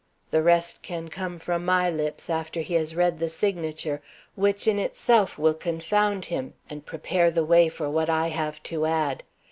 The rest can come from my lips after he has read the signature, which in itself will confound him and prepare the way for what I have to add.